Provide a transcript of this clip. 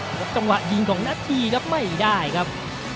แล้วก็จังหวะยิงของนัทธีครับไม่ได้ครับ